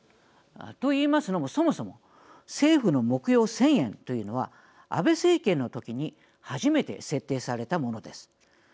といいますのも、そもそも政府の目標１０００円というのは安倍政権の時に初めて設定されたものです。